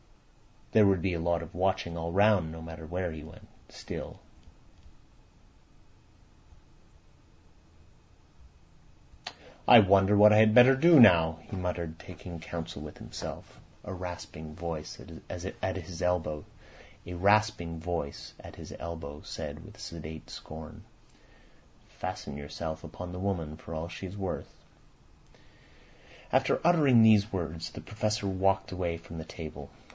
There would be a lot of watching all round, no matter where he went. Still— "I wonder what I had better do now?" he muttered, taking counsel with himself. A rasping voice at his elbow said, with sedate scorn: "Fasten yourself upon the woman for all she's worth." After uttering these words the Professor walked away from the table.